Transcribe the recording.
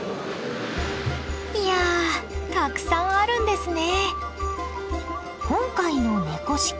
いやたくさんあるんですね。